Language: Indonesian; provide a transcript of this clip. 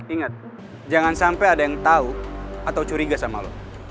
ingat jangan sampai ada yang tahu atau curiga sama lo